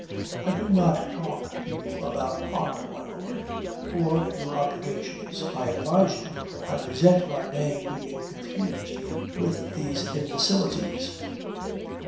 I do not talk to you about honour, my lord, or your obligations. I advise you, I resent my name being confused with these imbecilities."